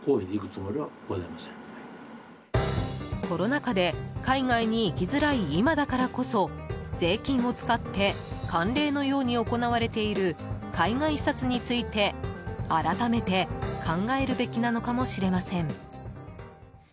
コロナ禍で海外に行きづらい今だからこそ税金を使って慣例のように行われている海外視察について改めて考えるべきなのかもしれません。